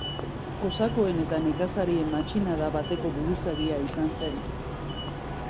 Kosakoen eta nekazari-matxinada bateko buruzagia izan zen.